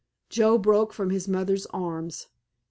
Joe broke from his mother's arms.